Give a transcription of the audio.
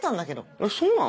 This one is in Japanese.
えっそうなの？